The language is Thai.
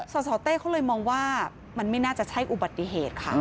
สสเต้เขาเลยมองว่ามันไม่น่าจะใช่อุบัติเหตุค่ะ